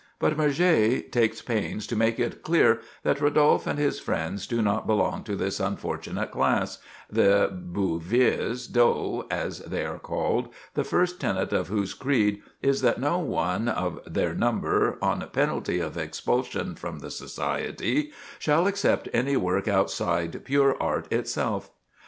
But Murger takes pains to make it clear that Rodolphe and his friends do not belong to this unfortunate class—the "Buveurs d'Eau," as they are called, the first tenet of whose creed is that no one of their number, on penalty of expulsion from the society, shall accept any work outside pure art itself.